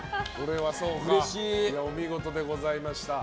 お見事でございました。